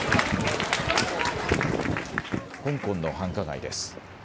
香港の繁華街です。